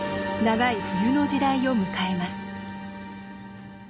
長い冬の時代を迎えます。